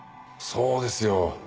そうですよ。